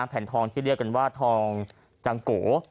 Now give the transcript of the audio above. แผ่นทองที่เรียกกันว่าทองจังโก